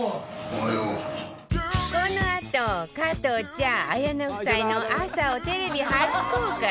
このあと、加藤茶・綾菜夫妻の朝をテレビ初公開。